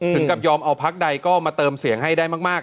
กับยอมเอาพักใดก็มาเติมเสียงให้ได้มาก